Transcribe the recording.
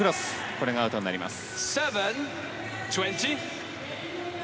これがアウトになります。